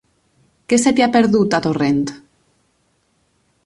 Què se t'hi ha perdut, a Torrent?